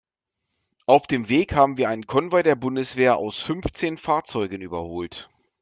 Auf dem Weg haben wir einen Konvoi der Bundeswehr aus fünfzehn Fahrzeugen überholt.